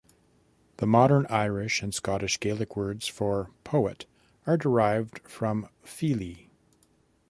The modern Irish and Scottish Gaelic words for "poet" are derived from "fili".